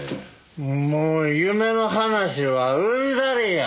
もう夢の話はうんざりや！